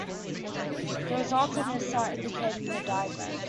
The results of this are indicated in the diagram.